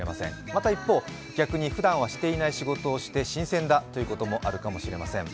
また一方、逆にふだんはしていない仕事をして新鮮だということもあるかもしれません。